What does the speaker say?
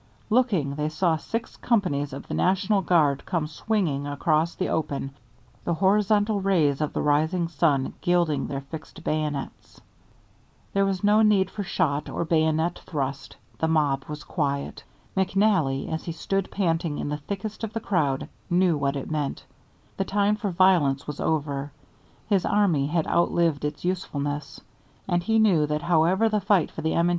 Looking, they saw six companies of the National Guard come swinging across the open, the horizontal rays of the rising sun gilding their fixed bayonets. There was no need for shot or bayonet thrust, the mob was quiet. McNally, as he stood panting in the thickest of the crowd, knew what it meant. The time for violence was over; his army had outlived its usefulness. And he knew that however the fight for the M.